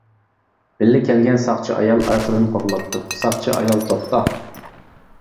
بىللە كەلگەن ساقچى ئايال ئارقىدىن قوغلاپتۇ، ساقچى ئايال توختا!